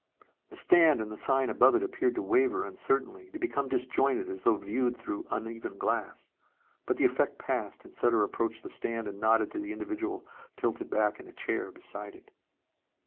The stand and the sign above it appeared to waver uncertainly, to become disjointed as though viewed through uneven glass. But the effect passed and Sutter approached the stand and nodded to the individual tilted back in a chair beside it.